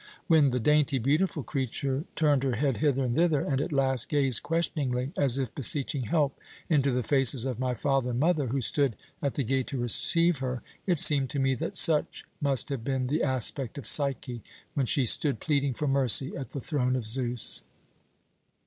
When the dainty, beautiful creature turned her head hither and thither, and at last gazed questioningly, as if beseeching help, into the faces of my father and mother, who stood at the gate to receive her, it seemed to me that such must have been the aspect of Psyche when she stood pleading for mercy at the throne of Zeus.